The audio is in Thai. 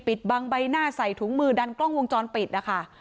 บังใบหน้าใส่ถุงมือดันกล้องวงจรปิดนะคะ